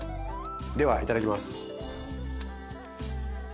ではいただきます。